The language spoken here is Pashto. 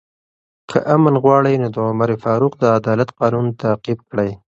که امن غواړئ، نو د عمر فاروق د عدالت قانون تعقیب کړئ.